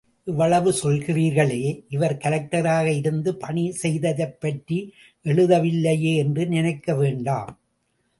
இவ்வளவு சொல்கிறீர்களே, இவர் கலெக்டராக இருந்து பணி செய்ததைப் பற்றி எழுதவில்லையே என்று நினைக்க வேண்டாம்.